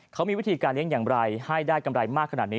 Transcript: เขามีวิธีการเลี้ยงอย่างไรให้ได้กำไรมากขนาดนี้